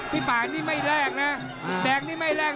พี่ปากนี้ไม่แรกนะแดงนี้ไม่แรก